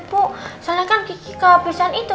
karena kan kiki kehabisan itu